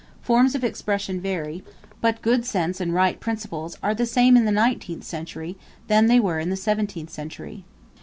Forms of expression vary, but good sense and right principles are the same in the nineteenth that they were in the seventeenth century.